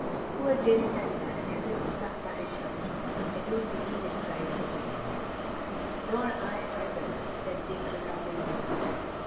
Poor Dick fell back, as if struck by a shot. "I don't believe it," cried Sir Thomas. "Nor I either," said Dick, recovering himself.